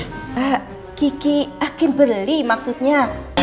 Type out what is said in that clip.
eh kiki hakim berli maksudnya